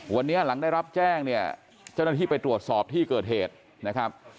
วันนี้หลังได้รับแจ้งเนี่ยเจ้าหน้าที่ไปตรวจสอบที่เกิดเหตุนะครับ